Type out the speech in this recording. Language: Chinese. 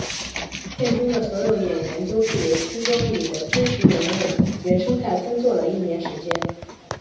片中的所有演员都是由村庄里的真实人物原生态工作了一年时间。